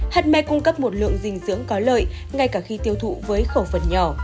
hạt me cung cấp một lượng dinh dưỡng có lợi ngay cả khi tiêu thụ với khẩu phần nhỏ